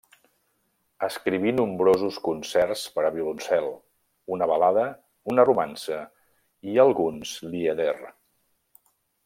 Escriví nombrosos concerts per a violoncel, una balada, una romança i alguns lieder.